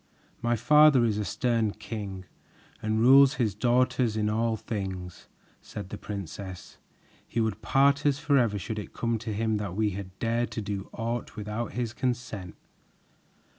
"My father is a stern king and rules his daughters in all things," said the princess. "He would part us forever should it come to him that we had dared to do aught without his consent.